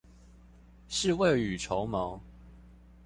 是未雨綢繆